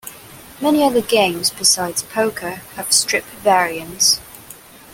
Many other games besides poker have "strip" variants.